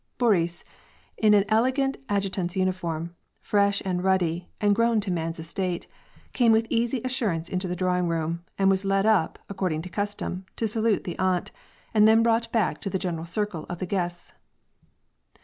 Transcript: Boris, in an elegant adjutant's uniform, fresh and ruddy, and grown to man's estate, came with easy assurance into the draw ing room, and was led up, according to custom, to salute the aunt, and then brought back to the general circle of the guests.